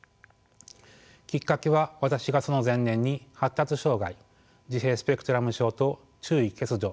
きっかけは私がその前年に発達障害自閉スペクトラム症と注意欠如